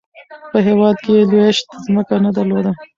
په هیواد کې یې لویشت ځمکه نه درلوده.